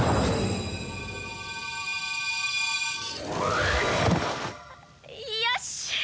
よし！